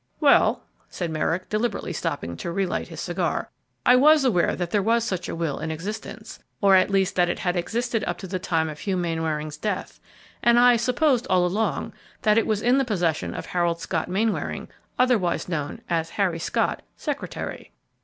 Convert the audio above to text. "Well," said Merrick, deliberately stopping to relight his cigar, "I was aware that there was such a will in existence, or at least that it had existed up to the time of Hugh Mainwaring's death, and I supposed all along that it was in the possession of Harold Scott Mainwaring, otherwise known as Harry Scott, secretary."